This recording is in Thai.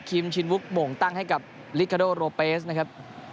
ชินวุกหม่งตั้งให้กับลิคาโดโรเปสนะครับ